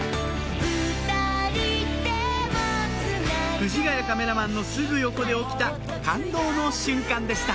藤ヶ谷カメラマンのすぐ横で起きた感動の瞬間でした